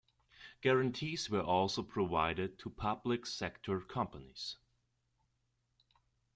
Guarantees were also provided to public-sector companies.